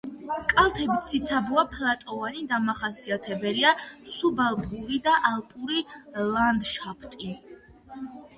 კალთები ციცაბოა, ფლატოვანი, დამახასიათებელია სუბალპური და ალპური ლანდშაფტი.